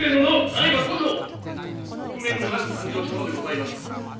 さればこそ臆面もなく参上したのでございます。